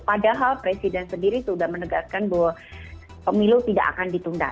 padahal presiden sendiri sudah menegaskan bahwa pemilu tidak akan ditunda